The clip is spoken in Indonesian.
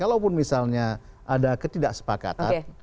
kalaupun misalnya ada ketidaksepakatan